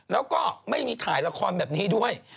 แล้วก็ไม่มีถ่ายละครแบบนี้ด้วย